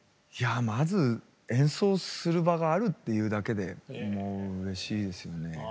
まず演奏する場があるっていうだけでもううれしいですよね。